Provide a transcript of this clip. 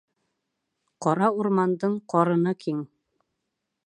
Ҡара урмандың ҡарыны киң.